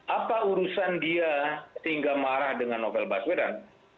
apa urusan dia sehingga marah dengan novel baswedan